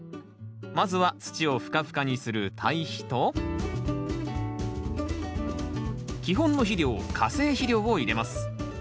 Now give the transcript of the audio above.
まずは土をふかふかにする堆肥と基本の肥料化成肥料を入れます。